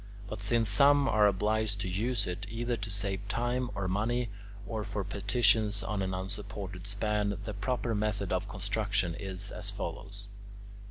But since some are obliged to use it either to save time or money, or for partitions on an unsupported span, the proper method of construction is as follows.